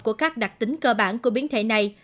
của các đặc tính cơ bản của biến thể này